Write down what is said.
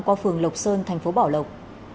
qua phường lộc sơn thành phố bảo lộc